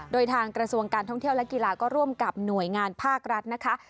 โดยทางกระทรวงการท่องเที่ยวและกีฬาก็ร่วมกับหน่วยงานภาครัฐนะคะ